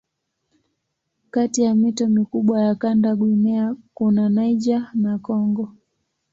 Kati ya mito mikubwa ya kanda Guinea kuna Niger na Kongo.